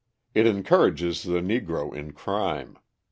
It encourages the Negro in crime.